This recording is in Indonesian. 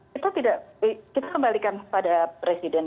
kita tidak kita kembalikan pada presiden